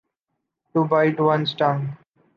To bite one’s tongue.